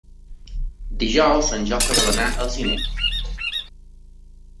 Dijous en Jofre vol anar al cinema.